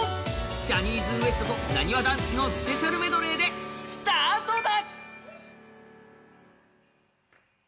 ジャニーズＷＥＳＴとなにわ男子のスペシャルメドレーでスタートだ！